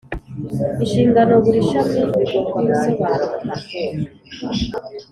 inshingano buri shami bigomba gusobanuka